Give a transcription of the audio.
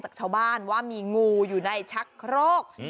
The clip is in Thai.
งูมาทางชักโลกเนี่ย